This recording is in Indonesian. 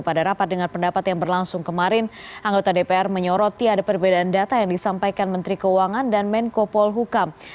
pada rapat dengan pendapat yang berlangsung kemarin anggota dpr menyoroti ada perbedaan data yang disampaikan menteri keuangan dan menko polhukam